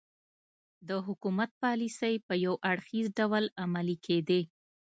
د حکومت پالیسۍ په یو اړخیز ډول عملي کېدې.